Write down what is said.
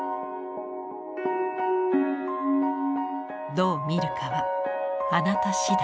どう見るかはあなた次第。